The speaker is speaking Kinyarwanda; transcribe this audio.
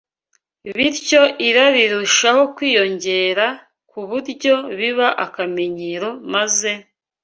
Bityo irari rirushaho kwiyongera, ku buryo biba akamenyero maze